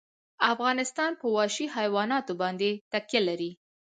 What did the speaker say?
افغانستان په وحشي حیوانات باندې تکیه لري.